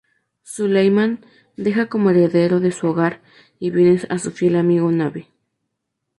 Suleimán deja como heredero de su hogar y bienes a su fiel amigo Nabi.